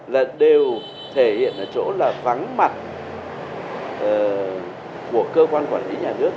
là đều thể hiện ở chỗ là vắng mặt của cơ quan quản lý nhà nước